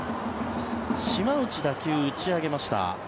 島内、打球を打ち上げました。